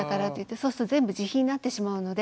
そうすると全部自費になってしまうので。